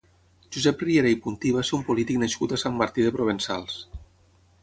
Josep Riera i Puntí va ser un polític nascut a Sant Martí de Provençals.